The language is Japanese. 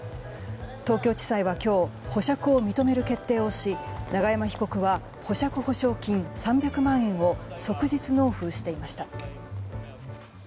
東京地裁は今日保釈を認める決定をし永山被告は保釈保証金３００万円を即日納付していました。